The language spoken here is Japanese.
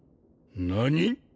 何！？